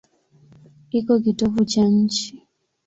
Iko kitovu cha nchi.